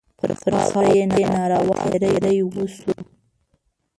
پر خاوره یې ناروا تېری وشو.